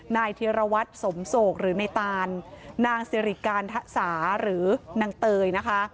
เทียรวัตรสมโศกหรือในตานนางสิริการทะสาหรือนางเตยนะคะ